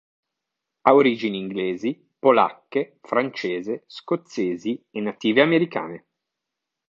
Ha origini inglesi, polacche, francese, scozzesi e native americane.